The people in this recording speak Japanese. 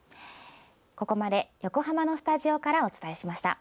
ここまで、横浜のスタジオからお伝えしました。